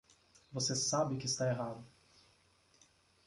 Você sabe que está errado.